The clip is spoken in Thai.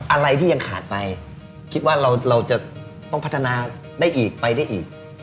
อะไรที่ยังขาดไปคิดว่าเราจะต้องพัฒนาได้อีกไปได้อีก